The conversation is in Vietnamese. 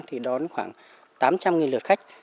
thì đón khoảng tám trăm linh lượt khách